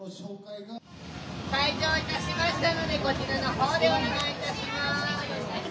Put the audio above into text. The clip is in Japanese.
開場いたしましたのでこちらのほうでお願いいたします。